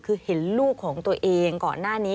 คือเห็นลูกของตัวเองก่อนหน้านี้